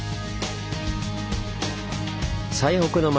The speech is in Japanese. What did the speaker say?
「最北の町」